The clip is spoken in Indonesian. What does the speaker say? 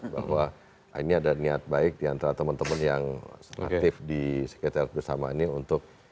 bahwa ini ada niat baik diantara teman teman yang aktif di sekretariat bersama ini untuk